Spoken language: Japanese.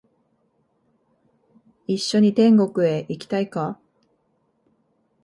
一緒に天国へ行きたいか？